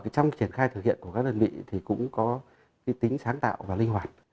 trong triển khai thực hiện của các đơn vị thì cũng có tính sáng tạo và linh hoạt